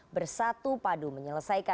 bersatu padu menyelesaikan